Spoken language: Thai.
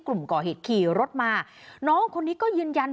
ก็เลยบอกว่าน้องอีกคนไปด้วยกับผม